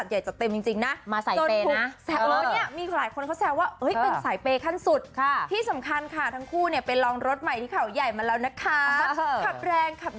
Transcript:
ดิฉันไม่ได้กล่าวพี่บิ๊กกล่าวจ้า